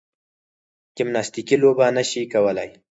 جمناستیکي لوبه نه شي کولای.